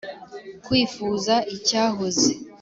kwifuza icyahoze.